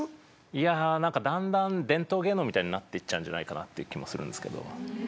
いやだんだん伝統芸能みたいになってっちゃうんじゃないかなって気もするんですけど。